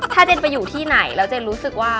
ถ้าเจนไปอยู่ที่ไหนแล้วเจนรู้สึกว่า